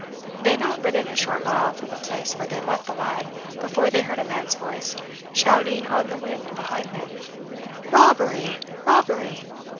They had not ridden a short mile from the place where they left the lad before they heard a man's voice shouting on the wind behind them, "Robbery! robbery!